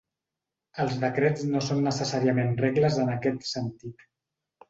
Els decrets no són necessàriament regles en aquest sentit.